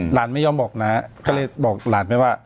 หลานไม่ยอมบอกน้าก็เลยบอกหลานไปว่า